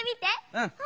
うん！